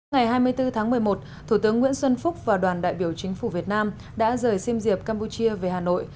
ngày hai mươi bốn tháng một mươi một thủ tướng nguyễn xuân phúc và đoàn đại biểu chính phủ việt nam đã rời siêm diệp campuchia về hà nội